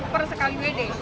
per sekali wd